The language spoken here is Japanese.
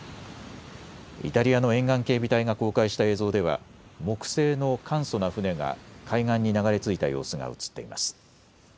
イタリアの沿岸警備隊が公開した映像では木製の簡素な船が海岸に流れ着いた様子が映っています。